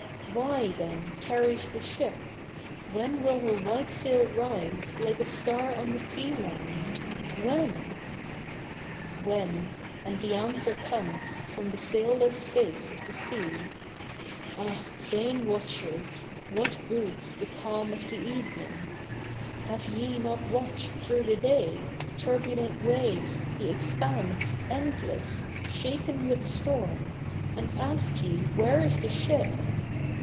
Why, then, tarries the ship ? IV hen will her 'uhite sail rise Like a star on the sea line ? When ?' When? — And the ansiver comes From the sailless face of the sea, ^^ Ah, vain watchers, what boots The calm of the evenijigl Have ye 7iot watched through the day Turbulent waves, the expanse Endless, shaken with storm. And ask ye where is the ship